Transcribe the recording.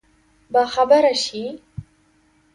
باخبره شي.